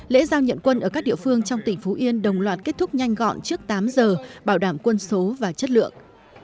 lễ giao nhận quân ở các địa phương trong tỉnh phú yên đồng loạt kết thúc nhanh gọn trước tám giờ bảo đảm quân số và chất lượng